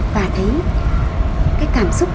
và thấy cái cảm xúc